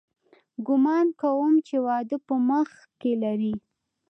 ګومان کوم چې واده په مخ کښې لري.